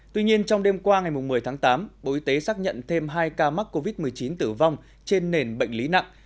tuy nhiên trong đêm qua ngày một mươi tháng tám bộ y tế xác nhận thêm hai ca mắc covid một mươi chín tử vong trên nền bệnh lý nặng